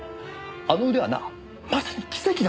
あの腕はなまさに奇跡なんだよ。